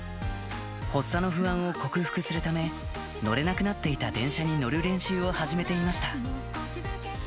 発作の不安を克服するため、乗れなくなっていた電車に乗る練習を始めていました。